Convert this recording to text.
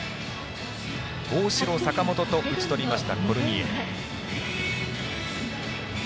大城、坂本と打ち取りましたコルニエル。